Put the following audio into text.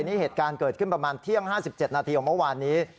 นี่เหตุการณ์เกิดขึ้นประมาณเที่ยง๕๗นาทีของเมื่อวานนี้